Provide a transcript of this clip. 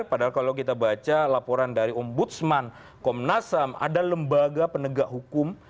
padahal kalau kita baca laporan dari ombudsman komnasam ada lembaga penegak hukum